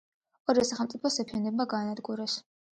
ორივე სახელმწიფო სეფიანებმა გაანადგურეს.